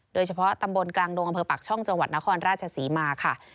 โดยเฉพาะตำบลกลางดงอำเภอปากช่องจังหวัดนครราชศรีมาค่ะ